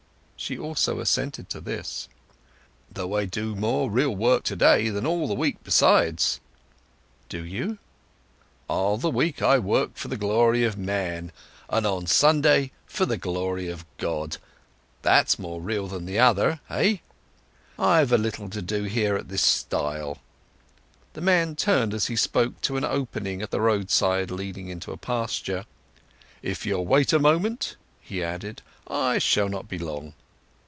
She also assented to this. "Though I do more real work to day than all the week besides." "Do you?" "All the week I work for the glory of man, and on Sunday for the glory of God. That's more real than the other—hey? I have a little to do here at this stile." The man turned, as he spoke, to an opening at the roadside leading into a pasture. "If you'll wait a moment," he added, "I shall not be long."